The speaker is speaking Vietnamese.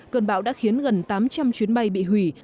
cơn bão đã khiến gần tám trăm linh chuyến bay bị hủy